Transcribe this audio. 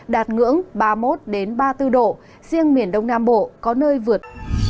đạt ngưỡng ba mươi một ba mươi bốn độ riêng miền đông nam bộ có nơi vượt